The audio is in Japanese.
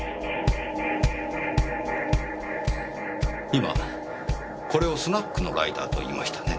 今これをスナックのライターと言いましたね？